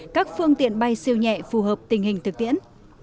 các phương tiện bay siêu nhẹ phù hợp tình hình thực tiễn